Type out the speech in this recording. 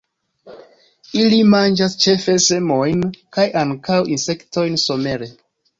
Ili manĝas ĉefe semojn, kaj ankaŭ insektojn somere.